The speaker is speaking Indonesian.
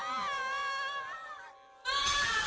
umi aku mau ke rumah